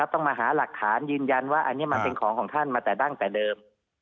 ต้องมาหาหลักฐานยืนยันว่าอันนี้มันเป็นของของท่านมาแต่ตั้งแต่เดิม